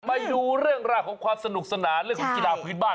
มาดูเรื่องราวของความสนุกสนานเรื่องของกีฬาพื้นบ้าน